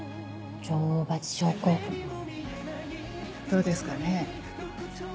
どうですかね。